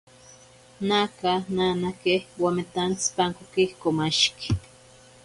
Naka nanake wametantsipankoki komashiki.